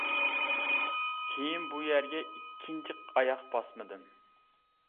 كېيىن بۇ يەرگە ئىككىنچى ئاياق باسمىدىم.